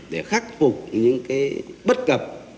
để khắc phục những bất cập